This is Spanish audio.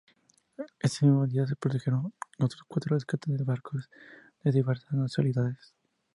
Ese mismo día se produjeron otros cuatro rescates de barcos de diversas nacionalidades.